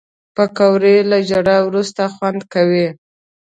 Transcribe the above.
پکورې له ژړا وروسته خوند کوي